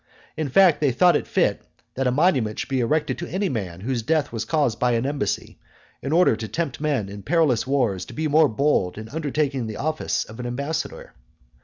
In fact, they thought fit that a monument should be erected to any man whose death was caused by an embassy, in order to tempt men in perilous wars to be the more bold in undertaking the office of an ambassador.